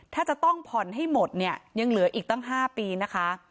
ถ้าจะต้องผ่อนให้หมดเนี่ยยังเหลืออีกตั้ง๕ปีนะคะ